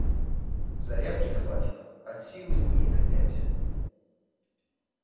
Зарядки хватит от силы дней на пять.